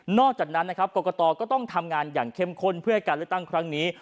จากนั้นนะครับกรกตก็ต้องทำงานอย่างเข้มข้นเพื่อให้การเลือกตั้งครั้งนี้